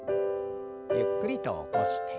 ゆっくりと起こして。